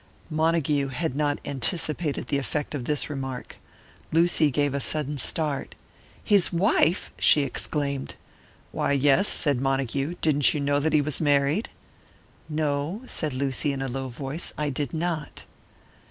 Montague had not anticipated the effect of this remark. Lucy gave a sudden start. "His wife!" she exclaimed. "Why, yes," said Montague. "Didn't you know that he was married?" "No," said Lucy, in a low voice. "I did not."